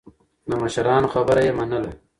د مشرانو خبره يې منله.